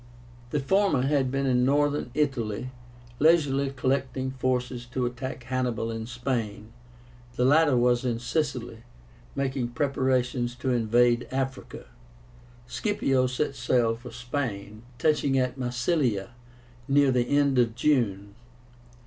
The former had been in Northern Italy, leisurely collecting forces to attack Hannibal in Spain; the latter was in Sicily, making preparations to invade Africa. Scipio set sail for Spain, touching at Massilia near the end of June.